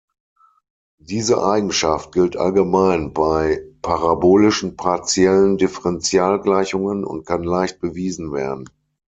Diese Eigenschaft gilt allgemein bei parabolischen partiellen Differentialgleichungen und kann leicht bewiesen werden.